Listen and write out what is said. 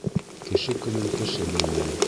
Кеше көнөн кеше белмәй.